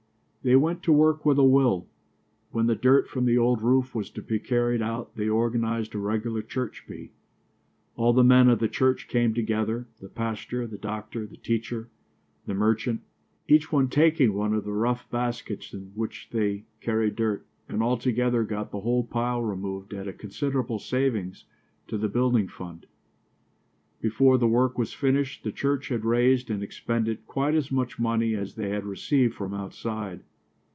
They went to work with a will. When the dirt from the old roof was to be carried out they organized a regular church bee. All the men of the church came together, the pastor, the doctor, the teacher, the merchant, each one taking one of the rough baskets in which they carry dirt, and all together got the whole pile removed at a considerable saving to the building fund. Before the work was finished the church had raised and expended quite as much money as they had received from outside.